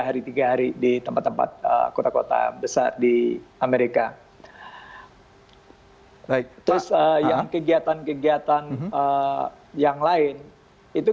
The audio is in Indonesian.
hari tiga hari di tempat tempat kota kota besar di amerika baik terus yang kegiatan kegiatan yang lain itu